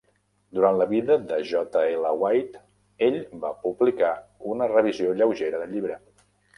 Durant la vida de J. L. White, ell va publicar una revisió lleugera del llibre.